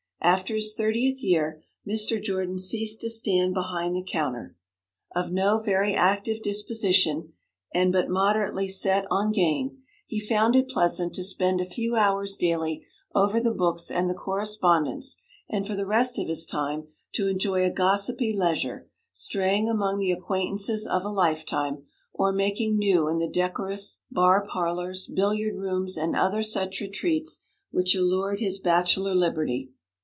After his thirtieth year Mr. Jordan ceased to stand behind the counter. Of no very active disposition, and but moderately set on gain, he found it pleasant to spend a few hours daily over the books and the correspondence, and for the rest of his time to enjoy a gossipy leisure, straying among the acquaintances of a lifetime, or making new in the decorous bar parlours, billiard rooms, and other such retreats which allured his bachelor liberty.